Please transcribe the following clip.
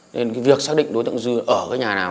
nên việc xác định đối tượng dư ở cái nhà này